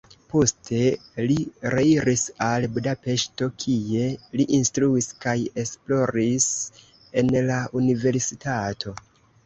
Poste li reiris al Budapeŝto, kie li instruis kaj esploris en la universitato.